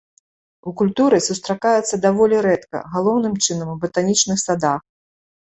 У культуры сустракаецца даволі рэдка, галоўным чынам у батанічных садах.